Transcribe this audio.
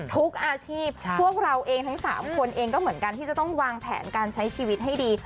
ทุกอาชีพพวกเราเองทั้ง๓คนเองก็เหมือนกันที่จะต้องวางแผนการใช้ชีวิตให้ดี